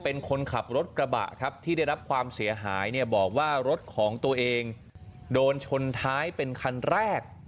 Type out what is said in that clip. เป็นคนขับรถกระบะครับที่ได้รับความเสียหายเนี่ยบอกว่ารถของตัวเองโดนชนท้ายเป็นคันแรก